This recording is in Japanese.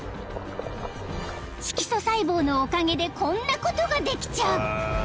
［色素細胞のおかげでこんなことができちゃう］